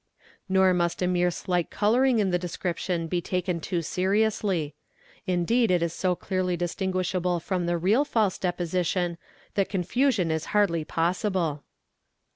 Nor must a mere slight colouring in the description be taken too seriously; indeed it is so clearly distinguish able from the real false deposition that confusion is hardly possible.